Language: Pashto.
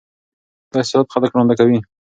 دا احساسات خلک ړانده کوي.